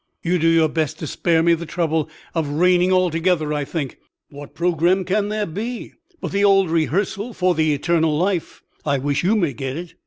"You do your best to spare me the trouble of reigning altogether, I think. What programme can there be but the old rehearsal for the eternal life (I wish you may get it)?